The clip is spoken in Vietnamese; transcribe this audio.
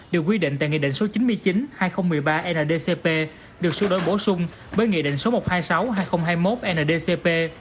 được quy định tại nghị định số chín mươi chín hai nghìn một mươi ba ndcp được sửa đổi bổ sung bởi nghị định số một trăm hai mươi sáu hai nghìn hai mươi một ndcp